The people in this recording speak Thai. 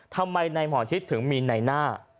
ทำไมว่าทางหมอชิตถึงมีิไนหน้า